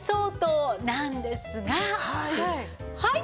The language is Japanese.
はい。